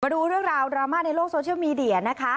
ดูเรื่องราวดราม่าในโลกโซเชียลมีเดียนะคะ